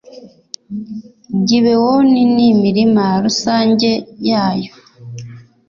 gibewoni n'imirima rusange yayo